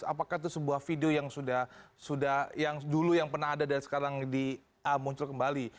apakah itu sebuah video yang sudah yang dulu yang pernah ada dan sekarang muncul kembali